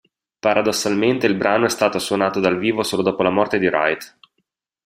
Paradossalmente, il brano è stato suonato dal vivo solo dopo la morte di Wright.